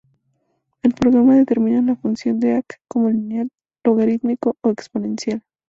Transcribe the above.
El programa determina la función de "Aq" como lineal, logarítmico, o exponencial.